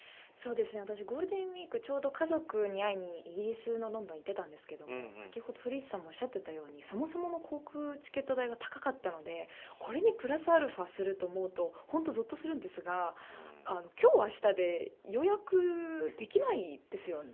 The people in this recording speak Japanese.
私、ゴールデンウイークに家族に会いにロンドンに行ってたんですけど古市さんがおっしゃってたようにそもそもの航空チケット代が高かったのでこれにプラスアルファすると思うと、ぞっとするんですが今日、あしたで予約できないですよね。